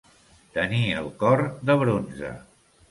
Tenir el cor de bronze.